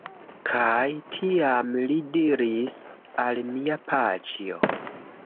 Kaj tiam li diris al mia paĉjo: